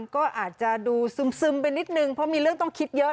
ก็อาจจะดูซึมไปนิดนึงเพราะมีเรื่องต้องคิดเยอะ